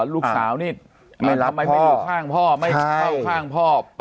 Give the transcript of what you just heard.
ลูกสาวนี่ทำไมไม่อยู่ข้างพ่อไม่เข้าข้างพ่อ